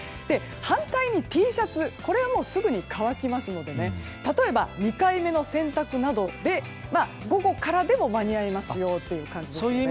反対にＴシャツはすぐに乾きますので例えば、２回目の洗濯などで午後からでも間に合いますよという感覚ですね。